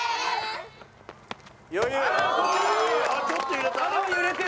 ちょっと揺れた？